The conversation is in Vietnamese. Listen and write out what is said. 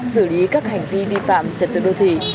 xử lý các hành vi vi phạm trật tự đô thị